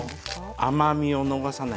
甘みを逃さない。